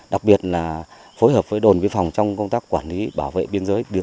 đặc biệt là phối hợp với đồn biên phòng trong công tác quản lý bảo vệ biên giới